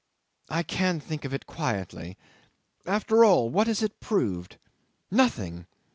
I can think of it quietly. After all, what has it proved? Nothing.